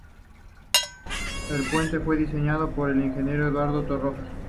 El puente fue diseñado por el ingeniero Eduardo Torroja.